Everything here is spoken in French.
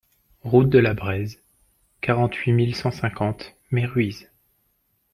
Route de la Brèze, quarante-huit mille cent cinquante Meyrueis